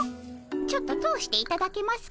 ちょっと通していただけますか？